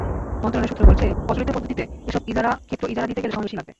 মন্ত্রণালয়ের সূত্র বলেছে, প্রচলিত পদ্ধতিতে এসব ক্ষেত্র ইজারা দিতে গেলে সময় বেশি লাগবে।